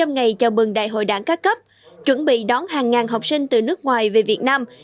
hai trăm linh ngày chào mừng đại hội đảng ca cấp chuẩn bị đón hàng ngàn học sinh từ nước ngoài về việt nam